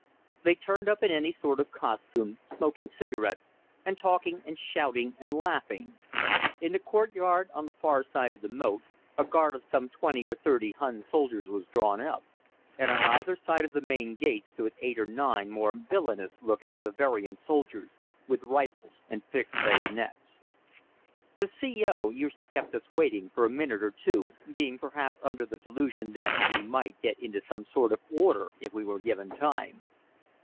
They turned up in any sort of costume, smoking cigarettes and talking and shouting and laughing. In the courtyard on the far side of the moat a guard of some twenty or thirty Hun soldiers was drawn up, and on either side of the main gate stood eight or nine more villainous looking Bavarian soldiers with rifles and fixed bayonets. The C.O. usually kept us waiting for a minute or two, being perhaps under the delusion that we might get into some sort of order if we were given time.